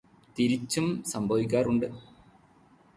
തിരിച്ചും സംഭവിക്കാറുണ്ട്.